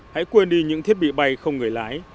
hãy quên đi những thiết bị bay không người lái